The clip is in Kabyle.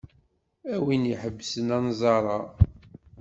A win iḥebsen anẓar-a.